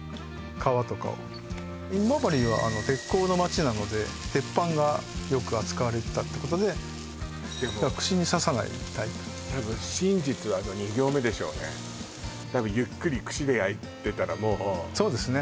皮とかを今治は鉄鋼の街なので鉄板がよく扱われてたってことでだから串に刺さないタイプでも多分真実はあの２行目でしょうね多分ゆっくり串で焼いてたらもうそうですね